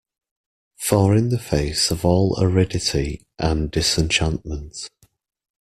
For in the face of all aridity and disenchantment